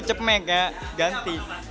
cepmek ya ganti